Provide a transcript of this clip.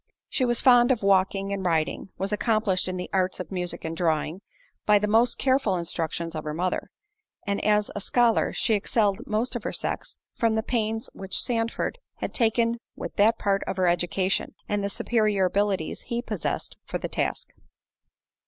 She was fond of walking and riding—was accomplished in the arts of music and drawing, by the most careful instructions of her mother—and as a scholar, she excelled most of her sex, from the pains which Sandford had taken with that part of her education, and the superior abilities he possessed for the task.